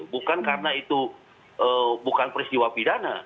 bukan karena itu bukan peristiwa pidana